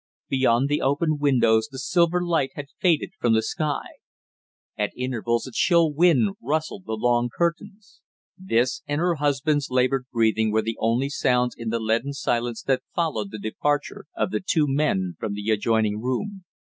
Beyond the open windows the silver light had faded from the sky. At intervals a chill wind rustled the long curtains. This, and her husband's labored breathing were the only sounds in the leaden silence that followed the departure of the two men from the adjoining room.